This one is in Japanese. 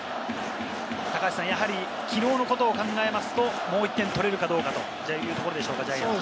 やはりきのうのことを考えますと、もう１点取れるかどうかというところでしょうか、ジャイアンツ。